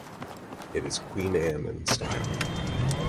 It is Queen Anne in style.